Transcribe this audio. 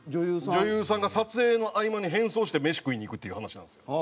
女優さんが撮影の合間に変装してメシ食いに行くっていう話なんですよ。